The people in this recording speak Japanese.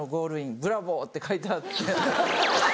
ブラボー‼」って書いてあって。